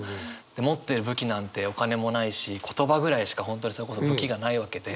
持ってる武器なんてお金もないし言葉ぐらいしか本当にそれこそ武器がないわけで。